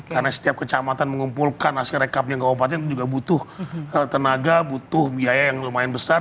karena setiap kecamatan mengumpulkan asing rekapnya ke opatnya juga butuh tenaga butuh biaya yang lumayan besar